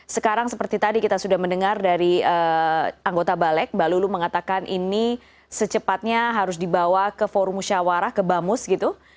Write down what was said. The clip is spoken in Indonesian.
sekarang seperti tadi kita sudah mendengar dari anggota balik mbak lulu mengatakan ini secepatnya harus dibawa ke forum musyawarah ke bamus gitu